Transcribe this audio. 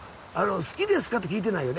「好きですか？」って聞いてないよね。